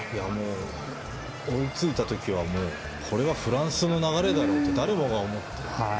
追いついた時はこれはフランスの流れだと誰もが思った。